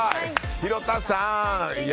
廣田さん！